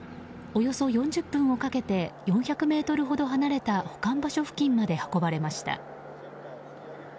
およそ４０分をかけて４００ｍほど離れた保管場所付近まで運ばれました。